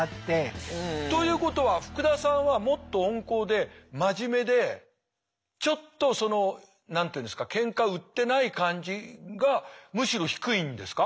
ということは福田さんはもっと温厚で真面目でちょっとその何て言うんですかケンカ売ってない感じがむしろ低いんですか？